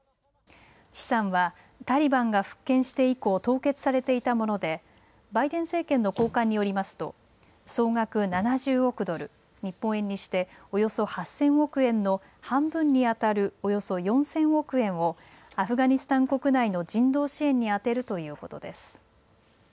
資産はタリバンが復権して以降、凍結されていたものでバイデン政権の高官によりますと総額７０億ドル、日本円にしておよそ８０００億円の半分にあたるおよそ４０００億円をアフガニスタン国内の人道支援に充てるということです。